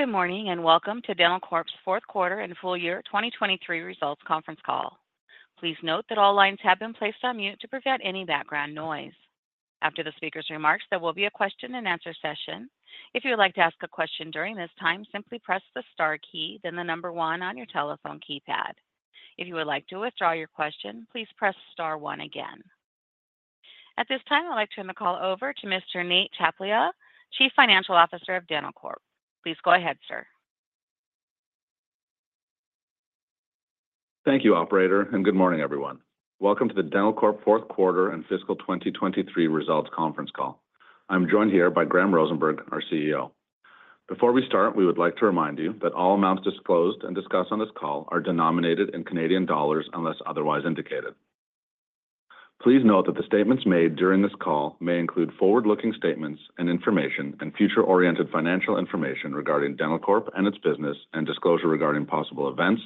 Good morning and welcome to Dentalcorp's fourth quarter and full year 2023 results conference call. Please note that all lines have been placed on mute to prevent any background noise. After the speaker's remarks, there will be a question-and-answer session. If you would like to ask a question during this time, simply press the star key, then the number one on your telephone keypad. If you would like to withdraw your question, please press star one again. At this time, I'd like to turn the call over to Mr. Nate Tchaplia, Chief Financial Officer of Dentalcorp. Please go ahead, sir. Thank you, operator, and good morning, everyone. Welcome to the Dentalcorp fourth quarter and fiscal 2023 results conference call. I'm joined here by Graham Rosenberg, our CEO. Before we start, we would like to remind you that all amounts disclosed and discussed on this call are denominated in Canadian dollars unless otherwise indicated. Please note that the statements made during this call may include forward-looking statements and information and future-oriented financial information regarding Dentalcorp and its business and disclosure regarding possible events,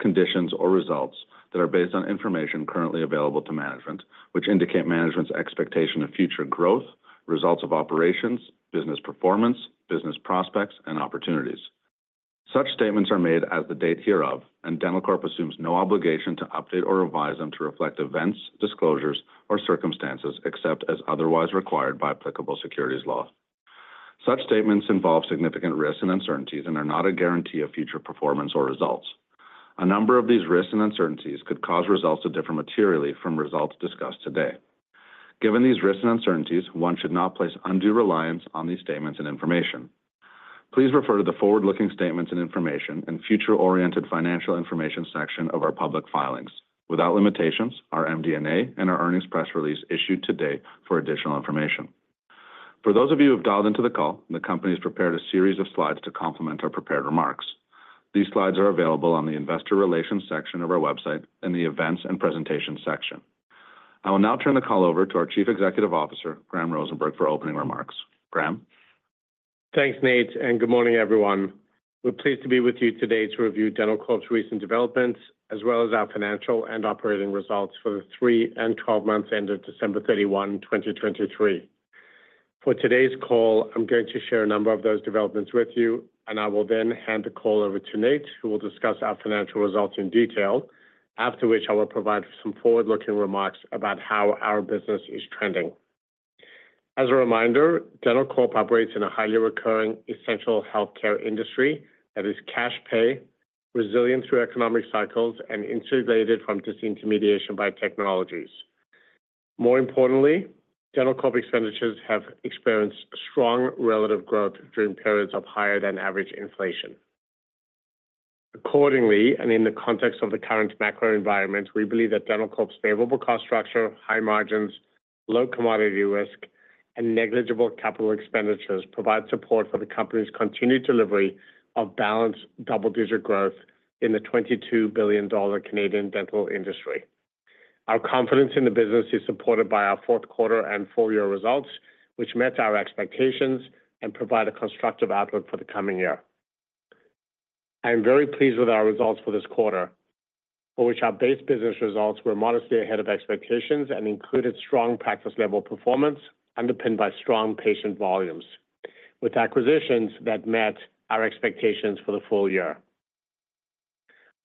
conditions, or results that are based on information currently available to management, which indicate management's expectation of future growth, results of operations, business performance, business prospects, and opportunities. Such statements are made as the date hereof, and Dentalcorp assumes no obligation to update or revise them to reflect events, disclosures, or circumstances except as otherwise required by applicable securities law. Such statements involve significant risks and uncertainties and are not a guarantee of future performance or results. A number of these risks and uncertainties could cause results to differ materially from results discussed today. Given these risks and uncertainties, one should not place undue reliance on these statements and information. Please refer to the forward-looking statements and information and future-oriented financial information section of our public filings. Without limitation, our MD&A and our earnings press release issued today for additional information. For those of you who have dialed into the call, the company has prepared a series of slides to complement our prepared remarks. These slides are available on the investor relations section of our website and the events and presentations section. I will now turn the call over to our Chief Executive Officer, Graham Rosenberg, for opening remarks. Graham. Thanks, Nate. Good morning, everyone. We're pleased to be with you today to review Dentalcorp's recent developments as well as our financial and operating results for the three and 12 months ended December 31, 2023. For today's call, I'm going to share a number of those developments with you, and I will then hand the call over to Nate, who will discuss our financial results in detail, after which I will provide some forward-looking remarks about how our business is trending. As a reminder, Dentalcorp operates in a highly recurring essential healthcare industry that is cash-pay, resilient through economic cycles, and insulated from disintermediation by technologies. More importantly, Dentalcorp expenditures have experienced strong relative growth during periods of higher-than-average inflation. Accordingly, and in the context of the current macro environment, we believe that Dentalcorp's favorable cost structure, high margins, low commodity risk, and negligible capital expenditures provide support for the company's continued delivery of balanced double-digit growth in the 22 billion Canadian dollars Canadian dental industry. Our confidence in the business is supported by our fourth quarter and full year results, which met our expectations and provide a constructive outlook for the coming year. I am very pleased with our results for this quarter, for which our base business results were modestly ahead of expectations and included strong practice-level performance underpinned by strong patient volumes with acquisitions that met our expectations for the full year.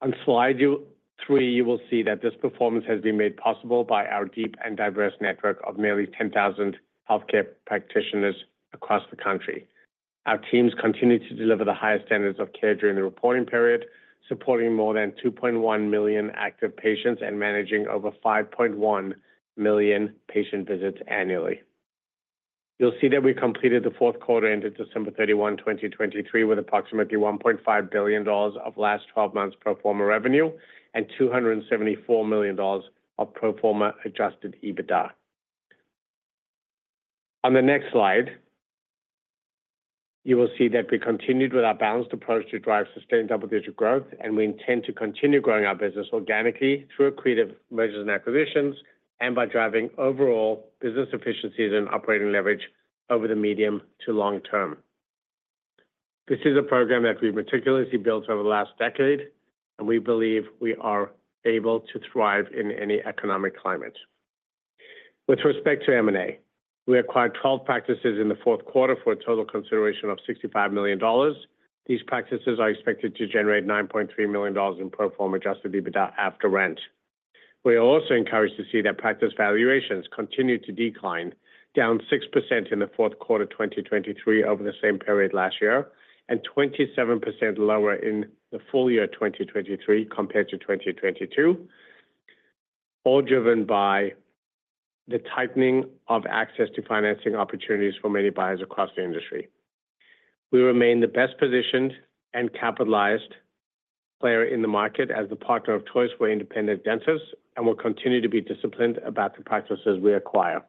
On slide three, you will see that this performance has been made possible by our deep and diverse network of nearly 10,000 healthcare practitioners across the country. Our teams continue to deliver the highest standards of care during the reporting period, supporting more than 2.1 million active patients and managing over 5.1 million patient visits annually. You'll see that we completed the fourth quarter end of December 31, 2023, with approximately 1.5 billion dollars of last 12 months pro forma revenue and 274 million dollars of pro forma Adjusted EBITDA. On the next slide, you will see that we continued with our balanced approach to drive sustained double-digit growth, and we intend to continue growing our business organically through creative mergers and acquisitions and by driving overall business efficiencies and operating leverage over the medium to long term. This is a program that we've meticulously built over the last decade, and we believe we are able to thrive in any economic climate. With respect to M&A, we acquired 12 practices in the fourth quarter for a total consideration of 65 million dollars. These practices are expected to generate 9.3 million dollars in pro forma Adjusted EBITDA after rent. We are also encouraged to see that practice valuations continue to decline, down 6% in the fourth quarter 2023 over the same period last year and 27% lower in the full year 2023 compared to 2022, all driven by the tightening of access to financing opportunities for many buyers across the industry. We remain the best positioned and capitalized player in the market as the partner of choice for independent dentists and will continue to be disciplined about the practices we acquire.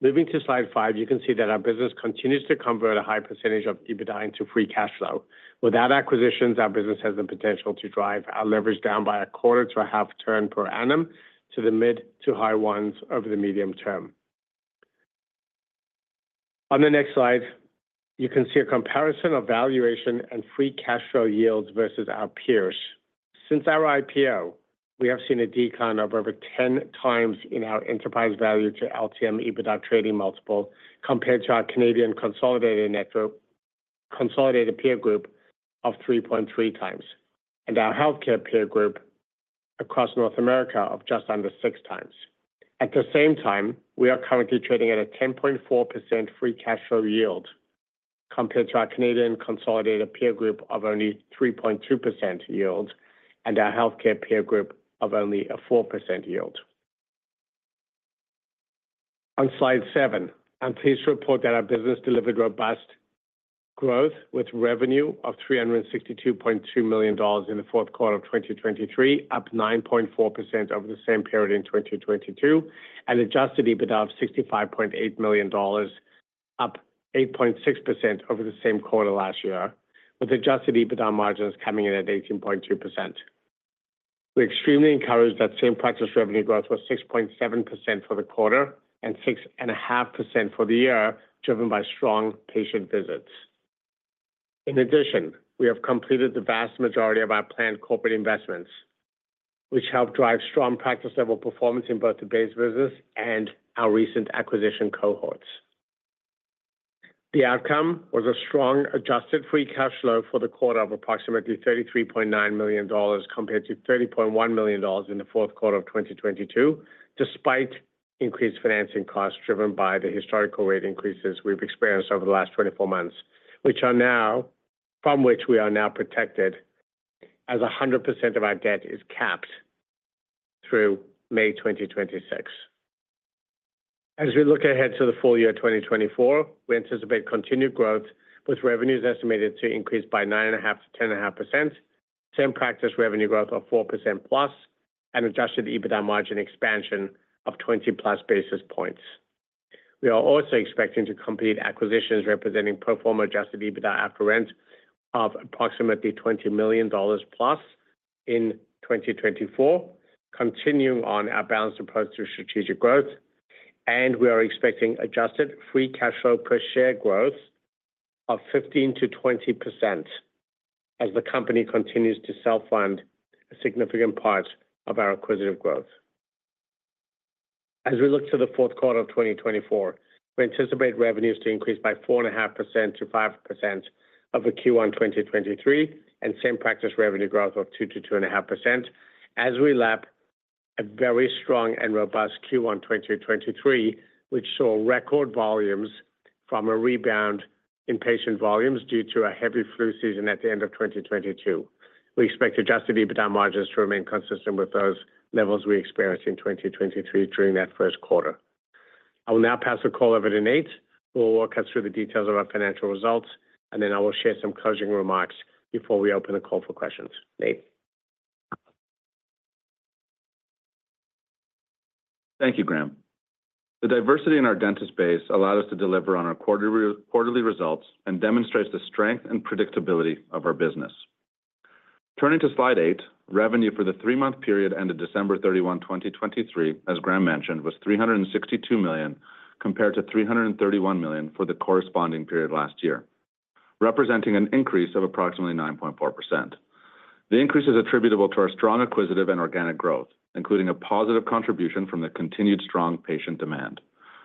Moving to slide five, you can see that our business continues to convert a high percentage of EBITDA into Free Cash Flow. Without acquisitions, our business has the potential to drive our leverage down by a quarter to a half turn per annum to the mid to high ones over the medium term. On the next slide, you can see a comparison of valuation and Free Cash Flow yields versus our peers. Since our IPO, we have seen a decline of over 10x in our enterprise value to LTM EBITDA trading multiple compared to our Canadian consolidated network consolidated peer group of 3.3x and our healthcare peer group across North America of just under 6x. At the same time, we are currently trading at a 10.4% Free Cash Flow yield compared to our Canadian consolidated peer group of only 3.2% yield and our healthcare peer group of only a 4% yield. On slide seven, I am pleased to report that our business delivered robust growth with revenue of 362.2 million dollars in the fourth quarter of 2023, up 9.4% over the same period in 2022, and Adjusted EBITDA of 65.8 million dollars, up 8.6% over the same quarter last year, with Adjusted EBITDA margins coming in at 18.2%. We were extremely encouraged that same practice revenue growth was 6.7% for the quarter and 6.5% for the year, driven by strong patient visits. In addition, we have completed the vast majority of our planned corporate investments, which help drive strong practice-level performance in both today's business and our recent acquisition cohorts. The outcome was a strong Adjusted Free Cash Flow for the quarter of approximately 33.9 million dollars compared to 30.1 million dollars in the fourth quarter of 2022, despite increased financing costs driven by the historical rate increases we've experienced over the last 24 months, which are now from which we are now protected as 100% of our debt is capped through May 2026. As we look ahead to the full year 2024, we anticipate continued growth with revenues estimated to increase by 9.5%-10.5%, Same Practice Revenue Growth of 4%+, and Adjusted EBITDA margin expansion of 20+ basis points. We are also expecting to complete acquisitions representing pro forma Adjusted EBITDA after rent of approximately 20 million dollars plus in 2024, continuing on our balanced approach to strategic growth. We are expecting Adjusted Free Cash Flow per share growth of 15%-20% as the company continues to self-fund a significant part of our acquisitive growth. As we look to the fourth quarter of 2024, we anticipate revenues to increase by 4.5%-5% of a Q1 2023 and same practice revenue growth of 2%-2.5% as we lap a very strong and robust Q1 2023, which saw record volumes from a rebound in patient volumes due to a heavy flu season at the end of 2022. We expect Adjusted EBITDA margins to remain consistent with those levels we experienced in 2023 during that first quarter. I will now pass the call over to Nate, who will walk us through the details of our financial results, and then I will share some closing remarks before we open the call for questions. Nate. Thank you, Graham. The diversity in our dentist base allowed us to deliver on our quarterly results and demonstrates the strength and predictability of our business. Turning to slide eight, revenue for the three-month period end of December 31, 2023, as Graham mentioned, was 362 million compared to 331 million for the corresponding period last year, representing an increase of approximately 9.4%. The increase is attributable to our strong acquisitive and organic growth, including a positive contribution from the continued strong patient demand.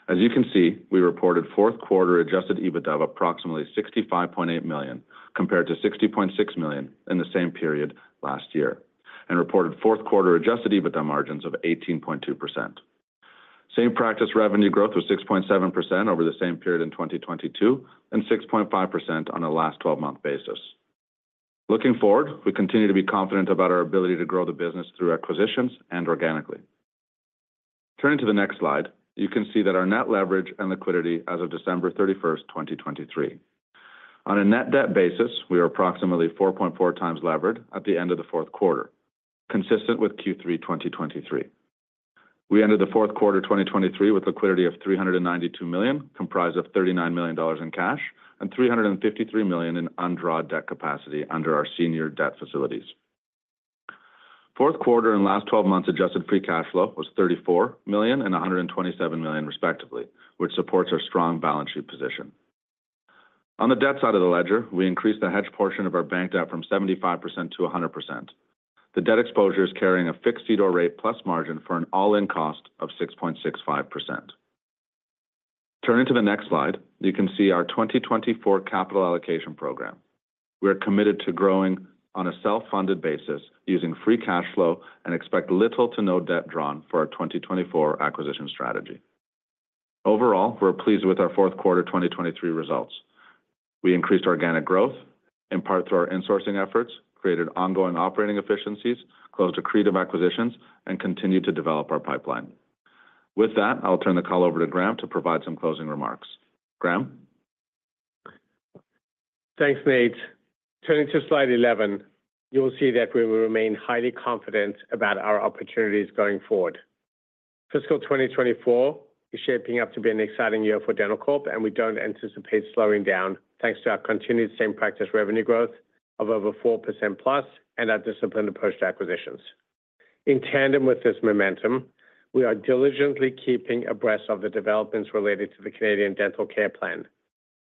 As you can see, we reported fourth quarter Adjusted EBITDA of approximately 65.8 million compared to 60.6 million in the same period last year and reported fourth quarter Adjusted EBITDA margins of 18.2%. Same Practice Revenue Growth was 6.7% over the same period in 2022 and 6.5% on a last 12-month basis. Looking forward, we continue to be confident about our ability to grow the business through acquisitions and organically. Turning to the next slide, you can see that our net leverage and liquidity as of December 31, 2023. On a net debt basis, we are approximately 4.4 times levered at the end of the fourth quarter, consistent with Q3 2023. We ended the fourth quarter 2023 with liquidity of 392 million, comprised of 39 million dollars in cash and 353 million in undrawn debt capacity under our senior debt facilities. Fourth quarter and last 12 months Adjusted Free Cash Flow was 34 million and 127 million, respectively, which supports our strong balance sheet position. On the debt side of the ledger, we increased the hedge portion of our bank debt from 75%-100%. The debt exposure is carrying a fixed CDOR rate plus margin for an all-in cost of 6.65%. Turning to the next slide, you can see our 2024 capital allocation program. We are committed to growing on a self-funded basis using Free Cash Flow and expect little to no debt drawn for our 2024 acquisition strategy. Overall, we're pleased with our fourth quarter 2023 results. We increased organic growth in part through our insourcing efforts, created ongoing operating efficiencies, closed accretive acquisitions, and continued to develop our pipeline. With that, I'll turn the call over to Graham to provide some closing remarks. Graham. Thanks, Nate. Turning to slide 11, you will see that we will remain highly confident about our opportunities going forward. Fiscal 2024 is shaping up to be an exciting year for Dentalcorp, and we don't anticipate slowing down thanks to our continued Same Practice Revenue Growth of over 4% plus and our disciplined approach to acquisitions. In tandem with this momentum, we are diligently keeping abreast of the developments related to the Canadian Dental Care Plan.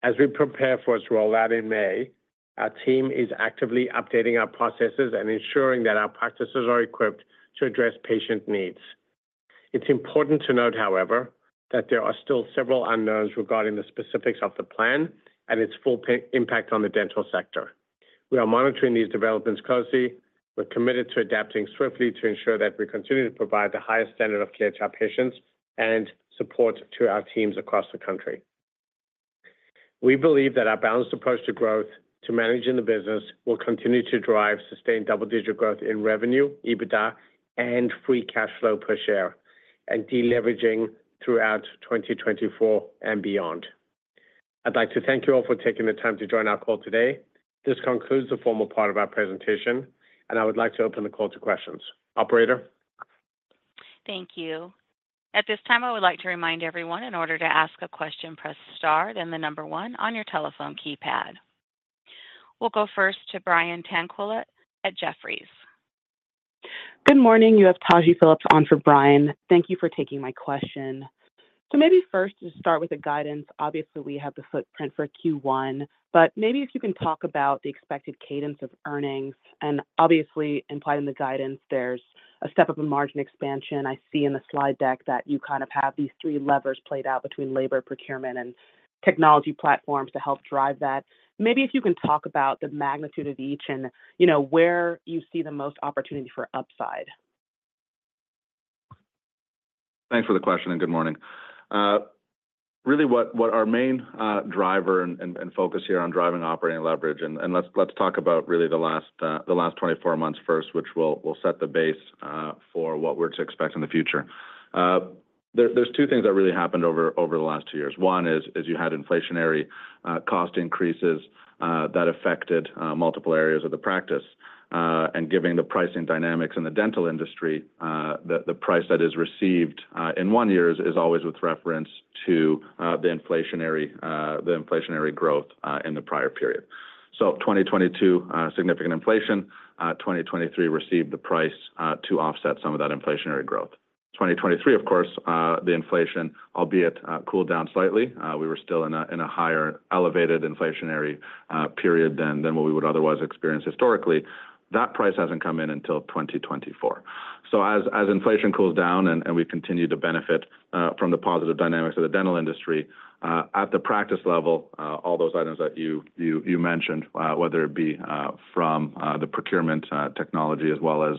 As we prepare for its rollout in May, our team is actively updating our processes and ensuring that our practices are equipped to address patient needs. It's important to note, however, that there are still several unknowns regarding the specifics of the plan and its full impact on the dental sector. We are monitoring these developments closely. We're committed to adapting swiftly to ensure that we continue to provide the highest standard of care to our patients and support to our teams across the country. We believe that our balanced approach to growth to manage in the business will continue to drive sustained double-digit growth in revenue, EBITDA, and Free Cash Flow per share and deleveraging throughout 2024 and beyond. I'd like to thank you all for taking the time to join our call today. This concludes the formal part of our presentation, and I would like to open the call to questions. Operator. Thank you. At this time, I would like to remind everyone, in order to ask a question, press star then the number one on your telephone keypad. We'll go first to Brian Tanquilut at Jefferies. Good morning. You have Taji Phillips on for Brian. Thank you for taking my question. So maybe first to start with the guidance, obviously we have the footprint for Q1, but maybe if you can talk about the expected cadence of earnings. Obviously, implied in the guidance, there's a step up in margin expansion. I see in the slide deck that you kind of have these three levers played out between labor procurement and technology platforms to help drive that. Maybe if you can talk about the magnitude of each and where you see the most opportunity for upside? Thanks for the question and good morning. Really, what our main driver and focus here on driving operating leverage, and let's talk about really the last 24 months first, which will set the base for what we're to expect in the future. There's two things that really happened over the last two years. One is you had inflationary cost increases that affected multiple areas of the practice. And given the pricing dynamics in the dental industry, the price that is received in one year is always with reference to the inflationary growth in the prior period. So 2022, significant inflation. 2023 received the price to offset some of that inflationary growth. 2023, of course, the inflation, albeit cooled down slightly, we were still in a higher elevated inflationary period than what we would otherwise experience historically. That price hasn't come in until 2024. So as inflation cools down and we continue to benefit from the positive dynamics of the dental industry, at the practice level, all those items that you mentioned, whether it be from the procurement technology as well as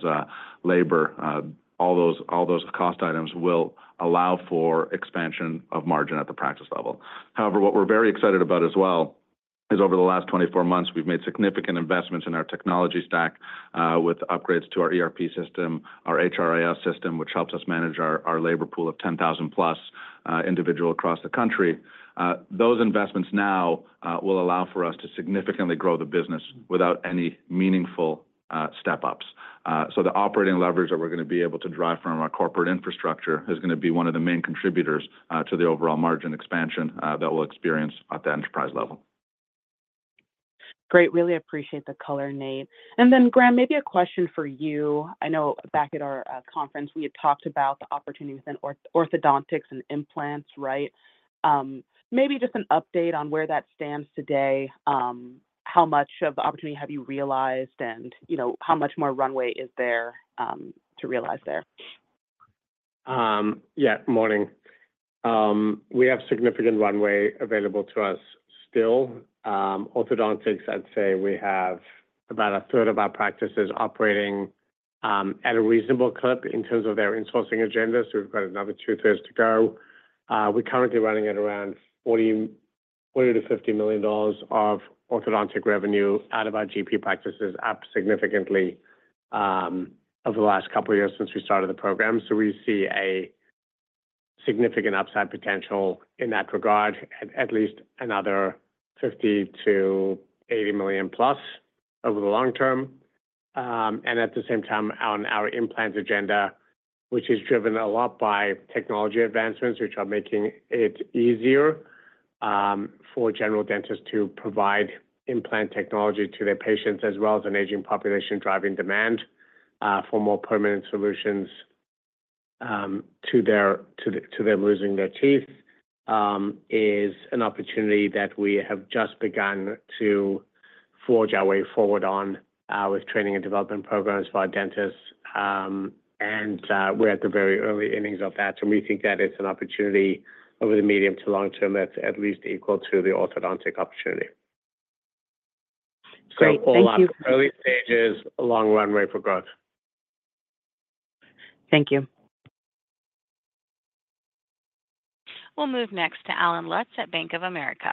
labor, all those cost items will allow for expansion of margin at the practice level. However, what we're very excited about as well is over the last 24 months, we've made significant investments in our technology stack with upgrades to our ERP system, our HRIS system, which helps us manage our labor pool of 10,000+ individuals across the country. Those investments now will allow for us to significantly grow the business without any meaningful step-ups. The operating leverage that we're going to be able to drive from our corporate infrastructure is going to be one of the main contributors to the overall margin expansion that we'll experience at the enterprise level. Great. Really appreciate the color, Nate. And then, Graham, maybe a question for you. I know back at our conference, we had talked about the opportunity within orthodontics and implants, right? Maybe just an update on where that stands today. How much of the opportunity have you realized and how much more runway is there to realize there? Yeah, morning. We have significant runway available to us still. Orthodontics, I'd say we have about a third of our practices operating at a reasonable clip in terms of their insourcing agenda. So we've got another two-thirds to go. We're currently running at around 40 million-50 million dollars of orthodontic revenue out of our GP practices up significantly over the last couple of years since we started the program. So we see a significant upside potential in that regard, at least another 50 million-80 million plus over the long term. And at the same time, on our implants agenda, which is driven a lot by technology advancements, which are making it easier for general dentists to provide implant technology to their patients as well as an aging population driving demand for more permanent solutions to them losing their teeth, is an opportunity that we have just begun to forge our way forward on with training and development programs for our dentists. And we're at the very early innings of that. So we think that it's an opportunity over the medium to long term that's at least equal to the orthodontic opportunity. So all that early stages, long runway for growth. Thank you. We'll move next to Allen Lutz at Bank of America.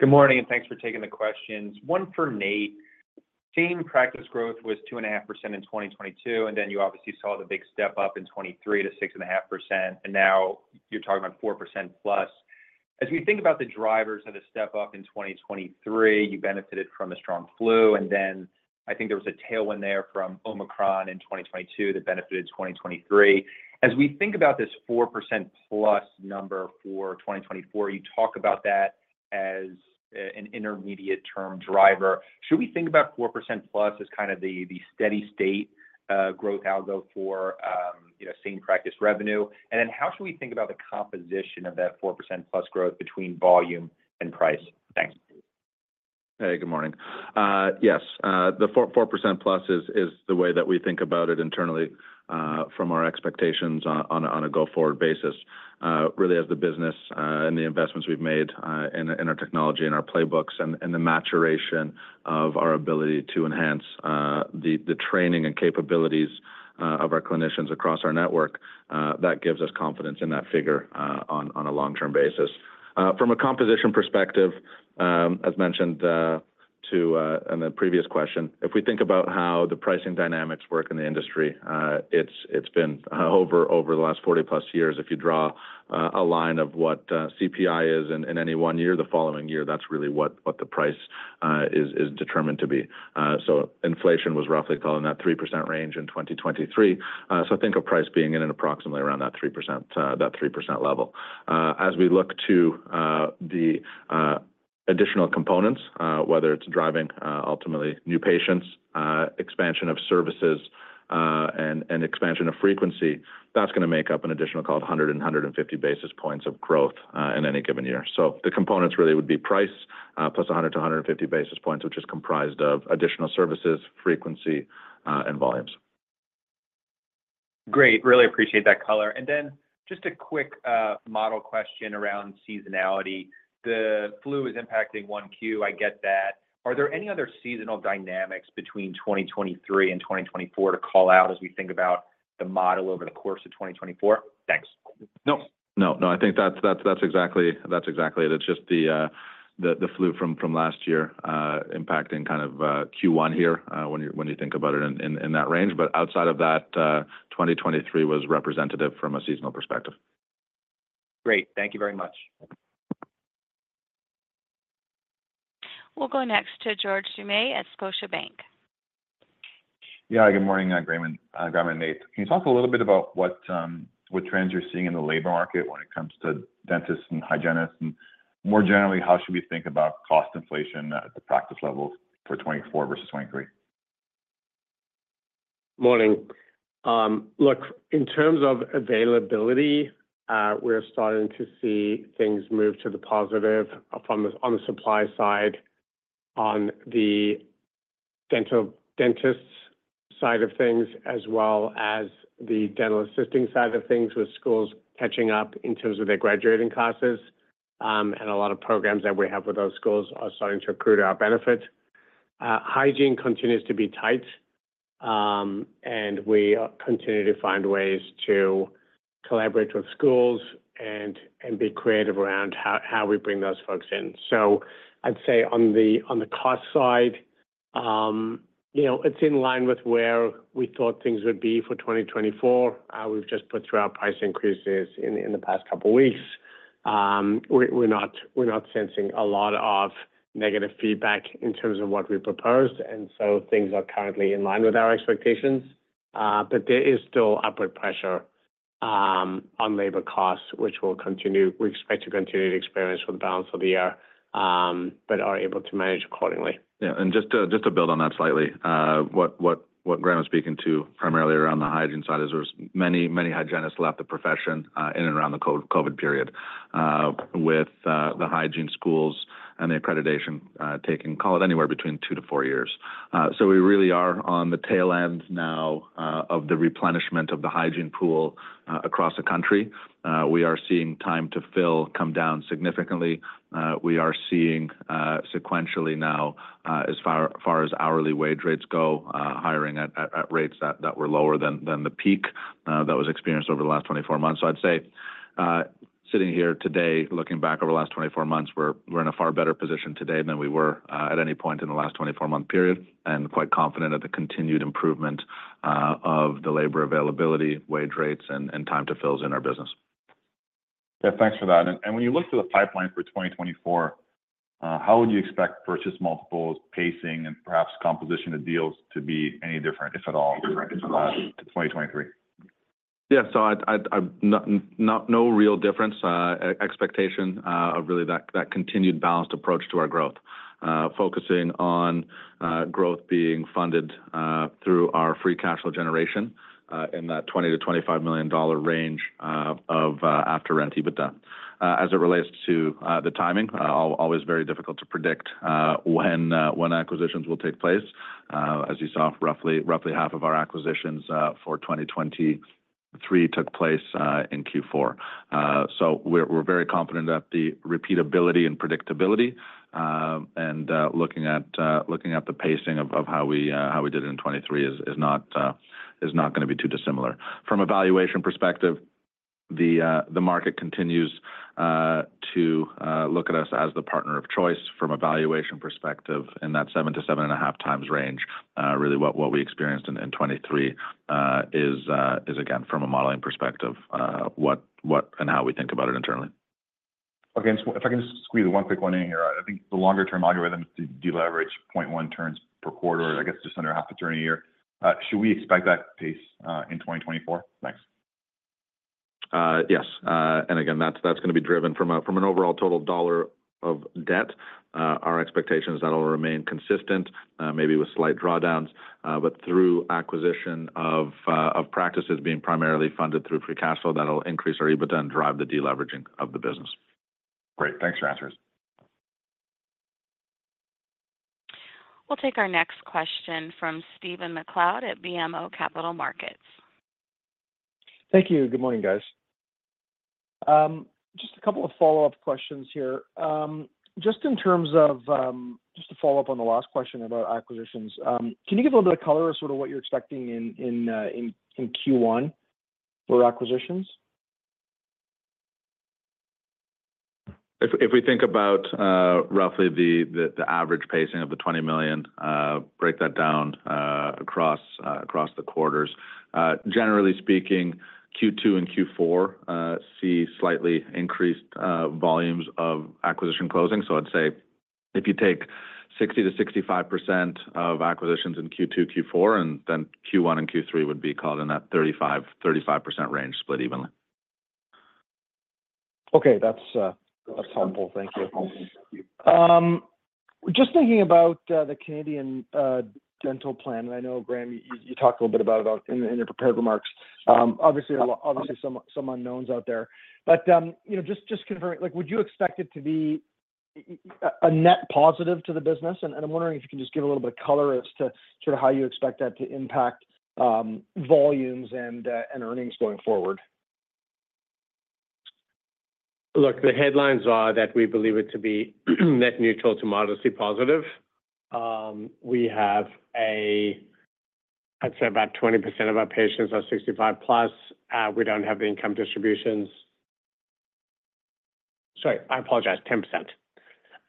Good morning and thanks for taking the questions. One for Nate. Same practice growth was 2.5% in 2022, and then you obviously saw the big step up in 2023 to 6.5%, and now you're talking about 4%+. As we think about the drivers of the step up in 2023, you benefited from a strong flu, and then I think there was a tailwind there from Omicron in 2022 that benefited 2023. As we think about this 4%+ number for 2024, you talk about that as an intermediate term driver. Should we think about 4%+ as kind of the steady state growth outlook for same practice revenue? And then how should we think about the composition of that 4%+ growth between volume and price? Thanks. Hey, good morning. Yes, the 4%+ is the way that we think about it internally from our expectations on a go-forward basis. Really, as the business and the investments we've made in our technology and our playbooks and the maturation of our ability to enhance the training and capabilities of our clinicians across our network, that gives us confidence in that figure on a long-term basis. From a composition perspective, as mentioned in the previous question, if we think about how the pricing dynamics work in the industry, it's been over the last 40+ years. If you draw a line of what CPI is in any one year, the following year, that's really what the price is determined to be. So inflation was roughly caught in that 3% range in 2023. So think of price being in approximately around that 3% level. As we look to the additional components, whether it's driving ultimately new patients, expansion of services, and expansion of frequency, that's going to make up an additional 100-150 basis points of growth in any given year. The components really would be price plus 100-150 basis points, which is comprised of additional services, frequency, and volumes. Great. Really appreciate that color. And then just a quick model question around seasonality. The flu is impacting one Q. I get that. Are there any other seasonal dynamics between 2023 and 2024 to call out as we think about the model over the course of 2024? Thanks. Nope. No, no. I think that's exactly it. It's just the flu from last year impacting kind of Q1 here when you think about it in that range. But outside of that, 2023 was representative from a seasonal perspective. Great. Thank you very much. We'll go next to George Doumet at Scotiabank. Yeah, good morning, Graham and Nate. Can you talk a little bit about what trends you're seeing in the labor market when it comes to dentists and hygienists and more generally, how should we think about cost inflation at the practice levels for 2024 versus 2023? Morning. Look, in terms of availability, we're starting to see things move to the positive on the supply side, on the dentists' side of things, as well as the dental assisting side of things with schools catching up in terms of their graduating classes. A lot of programs that we have with those schools are starting to accrue to our benefit. Hygiene continues to be tight. We continue to find ways to collaborate with schools and be creative around how we bring those folks in. I'd say on the cost side, it's in line with where we thought things would be for 2024. We've just put through our price increases in the past couple of weeks. We're not sensing a lot of negative feedback in terms of what we proposed. Things are currently in line with our expectations. But there is still upward pressure on labor costs, which we'll continue. We expect to continue to experience for the balance of the year, but are able to manage accordingly. Yeah. And just to build on that slightly, what Graham is speaking to primarily around the hygiene side is there's many, many hygienists left the profession in and around the COVID period with the hygiene schools and the accreditation taking, call it anywhere between 2-4 years. So we really are on the tail end now of the replenishment of the hygiene pool across the country. We are seeing time to fill come down significantly. We are seeing sequentially now, as far as hourly wage rates go, hiring at rates that were lower than the peak that was experienced over the last 24 months. I'd say sitting here today, looking back over the last 24 months, we're in a far better position today than we were at any point in the last 24-month period and quite confident of the continued improvement of the labor availability, wage rates, and time to fills in our business. Yeah, thanks for that. And when you look to the pipeline for 2024, how would you expect purchase multiples pacing and perhaps composition of deals to be any different, if at all, to 2023? Yeah, so no real difference. Expectation of really that continued balanced approach to our growth. Focusing on growth being funded through our Free Cash Flow generation in that 20 million-25 million dollar range of after-rent EBITDA. As it relates to the timing, always very difficult to predict when acquisitions will take place. As you saw, roughly half of our acquisitions for 2023 took place in Q4. So we're very confident that the repeatability and predictability and looking at the pacing of how we did it in 2023 is not going to be too dissimilar. From a valuation perspective, the market continues to look at us as the partner of choice from a valuation perspective in that 7-7.5x range. Really, what we experienced in 2023 is, again, from a modeling perspective, what and how we think about it internally. Okay, if I can just squeeze one quick one in here. I think the longer-term algorithm is to deleverage 0.1 turns per quarter, I guess, just under half a turn a year. Should we expect that pace in 2024? Thanks. Yes. And again, that's going to be driven from an overall total dollar of debt. Our expectation is that will remain consistent, maybe with slight drawdowns, but through acquisition of practices being primarily funded through Free Cash Flow, that'll increase our EBITDA and drive the deleveraging of the business. Great. Thanks for your answers. We'll take our next question from Stephen MacLeod at BMO Capital Markets. Thank you. Good morning, guys. Just a couple of follow-up questions here. Just in terms of just to follow up on the last question about acquisitions, can you give a little bit of color of sort of what you're expecting in Q1 for acquisitions? If we think about roughly the average pacing of the 20 million, break that down across the quarters. Generally speaking, Q2 and Q4 see slightly increased volumes of acquisition closing. So I'd say if you take 60%-65% of acquisitions in Q2, Q4, and then Q1 and Q3 would be caught in that 35% range split evenly. Okay, that's helpful. Thank you. Just thinking about the Canadian dental plan, and I know, Graham, you talked a little bit about it in your prepared remarks. Obviously, some unknowns out there. But just confirming, would you expect it to be a net positive to the business? And I'm wondering if you can just give a little bit of color as to sort of how you expect that to impact volumes and earnings going forward. Look, the headlines are that we believe it to be net neutral to modestly positive. We have a, I'd say, about 20% of our patients are 65-plus. We don't have the income distributions. Sorry, I apologize, 10%.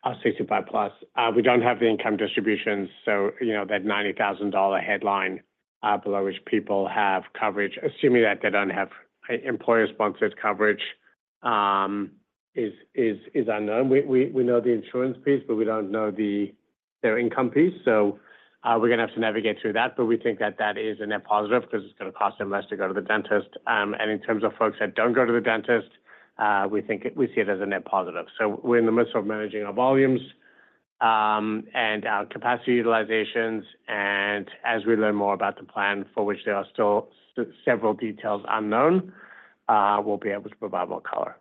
Are 65-plus. We don't have the income distributions, so that 90,000 dollar headline below which people have coverage, assuming that they don't have employer-sponsored coverage, is unknown. We know the insurance piece, but we don't know their income piece. So we're going to have to navigate through that, but we think that that is a net positive because it's going to cost them less to go to the dentist. And in terms of folks that don't go to the dentist, we see it as a net positive. We're in the midst of managing our volumes and our capacity utilizations, and as we learn more about the plan for which there are still several details unknown, we'll be able to provide more color.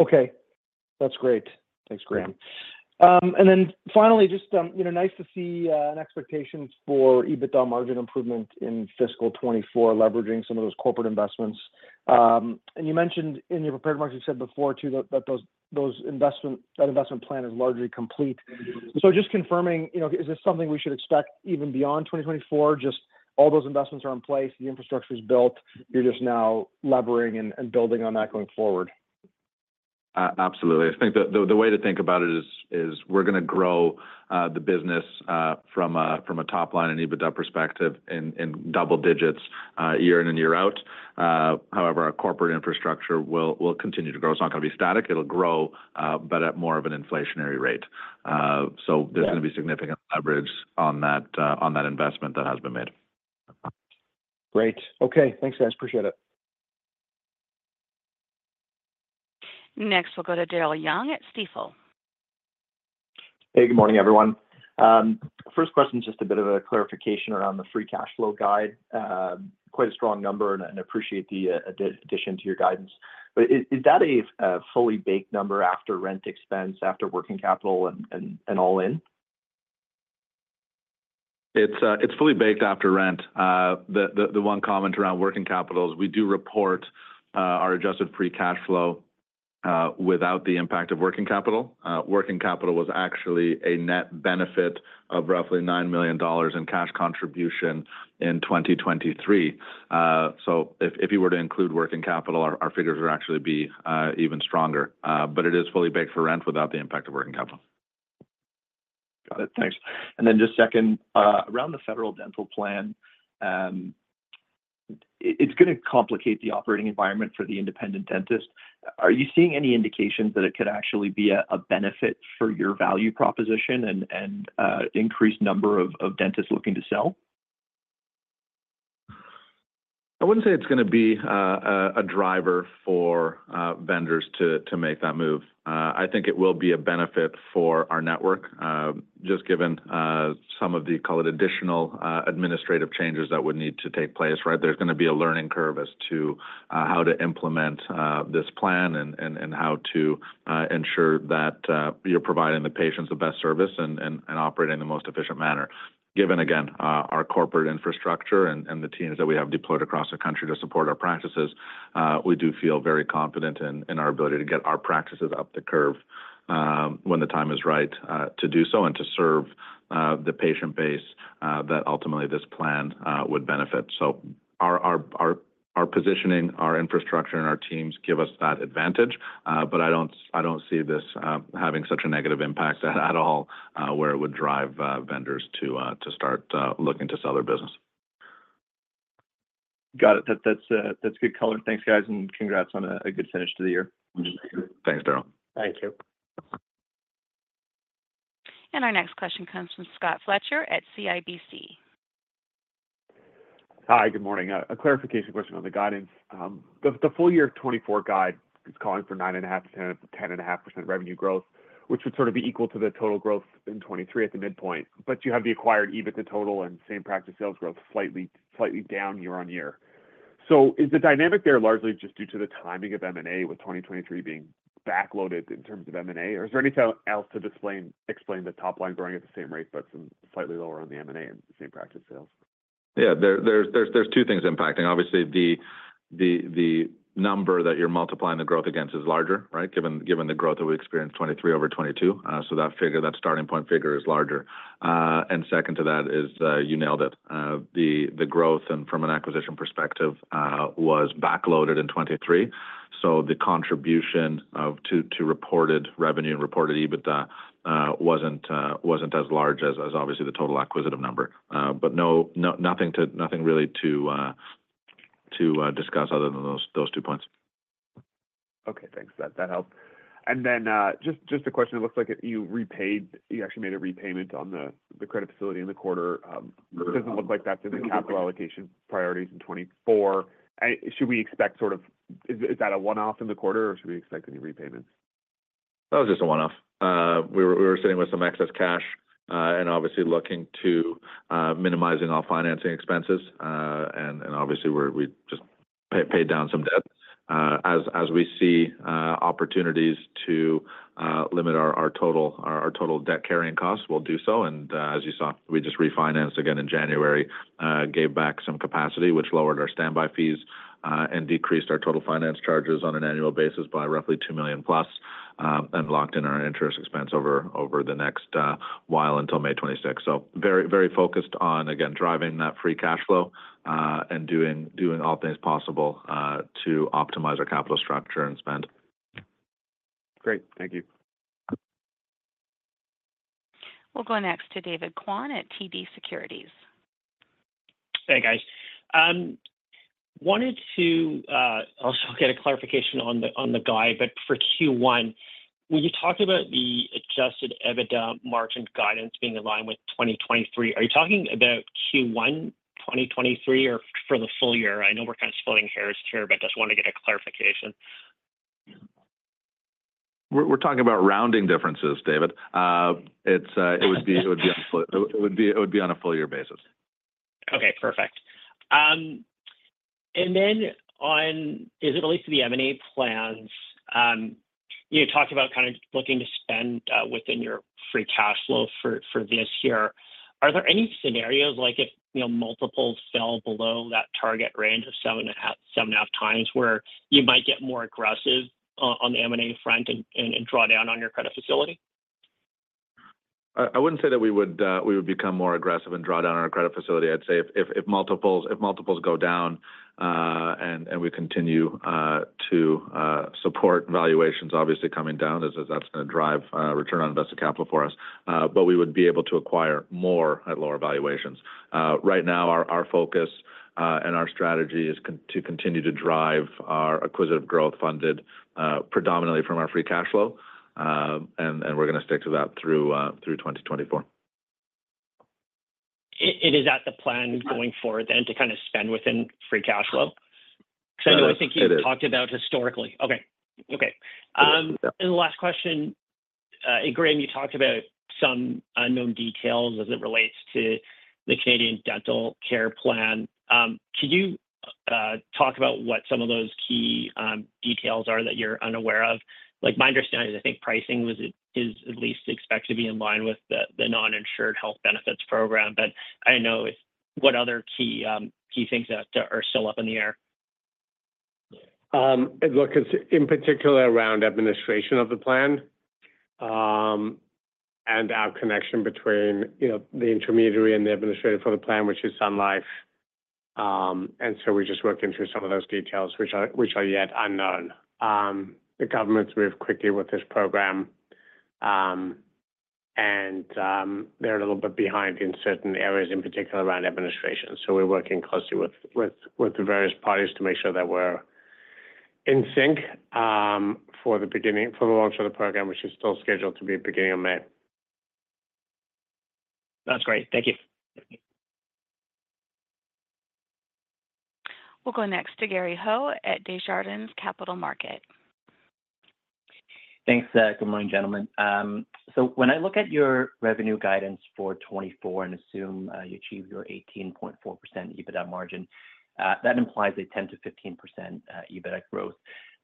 Okay. That's great. Thanks, Graham. Then finally, just nice to see an expectation for EBITDA margin improvement in fiscal 2024 leveraging some of those corporate investments. You mentioned in your prepared remarks, you said before too that that investment plan is largely complete. So just confirming, is this something we should expect even beyond 2024? Just all those investments are in place, the infrastructure is built, you're just now leveraging and building on that going forward. Absolutely. I think the way to think about it is we're going to grow the business from a top-line and EBITDA perspective in double digits year in and year out. However, our corporate infrastructure will continue to grow. It's not going to be static. It'll grow, but at more of an inflationary rate. So there's going to be significant leverage on that investment that has been made. Great. Okay. Thanks, guys. Appreciate it. Next, we'll go to Daryl Young at Stifel. Hey, good morning, everyone. First question, just a bit of a clarification around the Free Cash Flow guide. Quite a strong number and appreciate the addition to your guidance. But is that a fully baked number after rent expense, after working capital and all in? It's fully baked after rent. The one comment around working capital is we do report our Adjusted Free Cash Flow without the impact of working capital. Working capital was actually a net benefit of roughly 9 million dollars in cash contribution in 2023. So if you were to include working capital, our figures would actually be even stronger. But it is fully baked for rent without the impact of working capital. Got it. Thanks. And then just second, around the federal dental plan, it's going to complicate the operating environment for the independent dentist. Are you seeing any indications that it could actually be a benefit for your value proposition and increased number of dentists looking to sell? I wouldn't say it's going to be a driver for vendors to make that move. I think it will be a benefit for our network, just given some of the, call it, additional administrative changes that would need to take place, right? There's going to be a learning curve as to how to implement this plan and how to ensure that you're providing the patients the best service and operating the most efficient manner. Given, again, our corporate infrastructure and the teams that we have deployed across the country to support our practices, we do feel very confident in our ability to get our practices up the curve when the time is right to do so and to serve the patient base that ultimately this plan would benefit. Our positioning, our infrastructure, and our teams give us that advantage, but I don't see this having such a negative impact at all where it would drive vendors to start looking to sell their business. Got it. That's good color. Thanks, guys, and congrats on a good finish to the year. Thanks, Darryl. Thank you. Our next question comes from Scott Fletcher at CIBC. Hi, good morning. A clarification question on the guidance. The full year 2024 guide is calling for 9.5%-10.5% revenue growth, which would sort of be equal to the total growth in 2023 at the midpoint, but you have the acquired EBITDA total and same practice sales growth slightly down year-over-year. So is the dynamic there largely just due to the timing of M&A with 2023 being backloaded in terms of M&A, or is there anything else to explain the top line growing at the same rate, but some slightly lower on the M&A and same practice sales? Yeah, there's two things impacting. Obviously, the number that you're multiplying the growth against is larger, right, given the growth that we experienced 2023 over 2022. So that starting point figure is larger. And second to that is you nailed it. The growth, and from an acquisition perspective, was backloaded in 2023. So the contribution to reported revenue and reported EBITDA wasn't as large as obviously the total acquisitive number. But nothing really to discuss other than those two points. Okay, thanks. That helps. Then just a question. It looks like you actually made a repayment on the credit facility in the quarter. It doesn't look like that's in the capital allocation priorities in 2024. Should we expect sort of is that a one-off in the quarter, or should we expect any repayments? That was just a one-off. We were sitting with some excess cash and obviously looking to minimize all financing expenses. And obviously, we just paid down some debt. As we see opportunities to limit our total debt-carrying costs, we'll do so. And as you saw, we just refinanced again in January, gave back some capacity, which lowered our standby fees and decreased our total finance charges on an annual basis by roughly 2 million+ and locked in our interest expense over the next while until May 26th. So very focused on, again, driving that Free Cash Flow and doing all things possible to optimize our capital structure and spend. Great. Thank you. We'll go next to David Kwan at TD Securities. Hey, guys. Wanted to also get a clarification on the guide, but for Q1, when you talked about the Adjusted EBITDA margin guidance being in line with 2023, are you talking about Q1, 2023, or for the full year? I know we're kind of splitting hairs here, but just want to get a clarification. We're talking about rounding differences, David. It would be on a full-year basis. Okay, perfect. And then, as it relates to the M&A plans, you talked about kind of looking to spend within your Free Cash Flow for this year. Are there any scenarios like if multiples fell below that target range of 7.5x where you might get more aggressive on the M&A front and draw down on your credit facility? I wouldn't say that we would become more aggressive and draw down on our credit facility. I'd say if multiples go down and we continue to support valuations, obviously coming down, as that's going to drive return on invested capital for us, but we would be able to acquire more at lower valuations. Right now, our focus and our strategy is to continue to drive our acquisitive growth funded predominantly from our Free Cash Flow. We're going to stick to that through 2024. Is it the plan going forward then to kind of spend within Free Cash Flow? Because I know I think you talked about historically. Okay. Okay. The last question. Graham, you talked about some unknown details as it relates to the Canadian Dental Care Plan. Could you talk about what some of those key details are that you're unaware of? My understanding is I think pricing is at least expected to be in line with the Non-Insured Health Benefits program, but I don't know what other key things that are still up in the air. Look, in particular, around administration of the plan. Our connection between the intermediary and the administrator for the plan, which is Sun Life. So we just work into some of those details, which are yet unknown. The government's moved quickly with this program. They're a little bit behind in certain areas, in particular around administration. So we're working closely with the various parties to make sure that we're in sync for the long-term program, which is still scheduled to be beginning of May. That's great. Thank you. We'll go next to Gary Ho at Desjardins Capital Markets. Thanks. Good morning, gentlemen. So when I look at your revenue guidance for 2024 and assume you achieve your 18.4% EBITDA margin, that implies a 10%-15% EBITDA growth.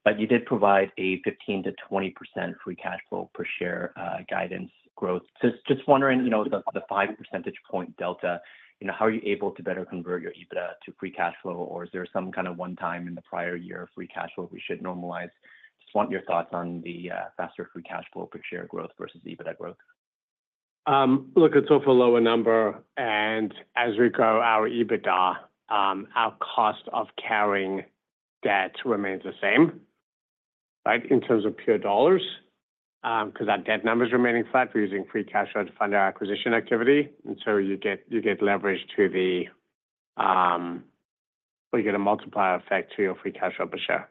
But you did provide a 15%-20% Free Cash Flow per share guidance growth. So just wondering, the 5 percentage point delta, how are you able to better convert your EBITDA to Free Cash Flow, or is there some kind of one-time in the prior year of Free Cash Flow we should normalize? Just want your thoughts on the faster Free Cash Flow per share growth versus EBITDA growth? Look, it's a lower number. As we grow our EBITDA, our cost of carrying debt remains the same. Right? In terms of pure dollars. Because our debt number is remaining flat. We're using Free Cash Flow to fund our acquisition activity. So you get leverage or you get a multiplier effect to your Free Cash Flow per share.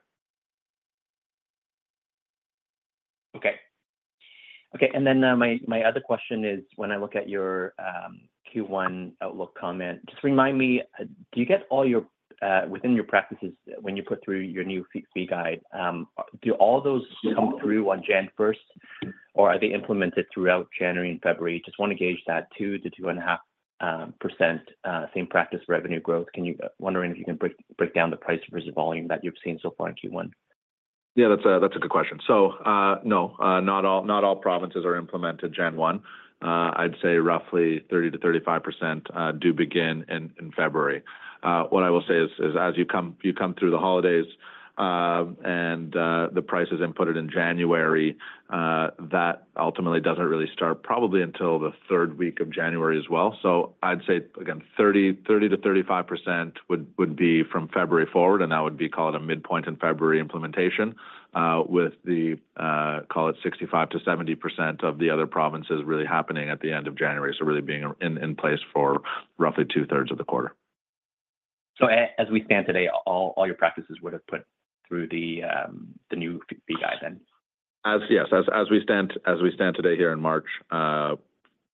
Okay. Okay. And then my other question is when I look at your Q1 outlook comment, just remind me, do you get all your within your practices when you put through your new fee guide, do all those come through on January 1st? Or are they implemented throughout January and February? Just want to gauge that 2%-2.5% same practice revenue growth. Wondering if you can break down the price versus volume that you've seen so far in Q1. Yeah, that's a good question. So no, not all provinces are implemented January 1. I'd say roughly 30%-35% do begin in February. What I will say is as you come through the holidays and the prices inputted in January, that ultimately doesn't really start probably until the third week of January as well. So I'd say, again, 30%-35% would be from February forward, and that would be call it a midpoint in February implementation. With the call it 65%-70% of the other provinces really happening at the end of January, so really being in place for roughly two-thirds of the quarter. As we stand today, all your practices would have put through the new fee guide then? Yes, as we stand today here in March.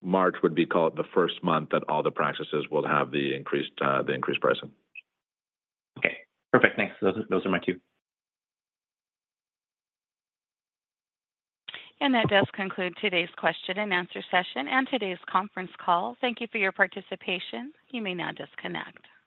March would be called the first month that all the practices will have the increased pricing. Okay. Perfect. Thanks. Those are my two. That does conclude today's question and answer session and today's conference call. Thank you for your participation. You may now disconnect.